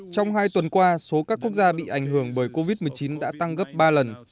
trong hai tuần qua số các quốc gia bị ảnh hưởng bởi covid một mươi chín đã tăng gấp ba lần